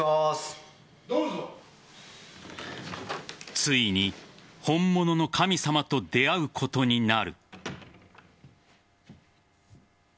ついに本物の神様と出会うことになる。